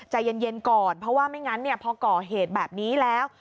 ใจเย็นก่อนเพราะว่าไม่งั้นพอก่อเหตุแบบนี้แล้ว